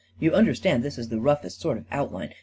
You understand, this is the roughest sort of outline